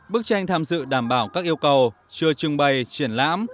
bức tranh tham dự đảm bảo các yêu cầu chưa trưng bày triển lãm